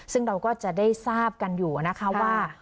ซึ่งเราก็จะได้ทราบกันอยู่นะคะว่า